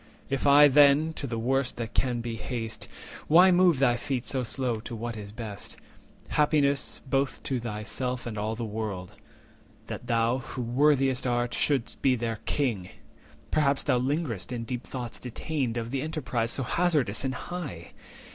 If I, then, to the worst that can be haste, Why move thy feet so slow to what is best? Happiest, both to thyself and all the world, That thou, who worthiest art, shouldst be their King! Perhaps thou linger'st in deep thoughts detained Of the enterprise so hazardous and high!